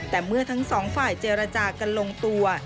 แต่เมื่อทั้งสองฝ่ายเจรจากันลงตัว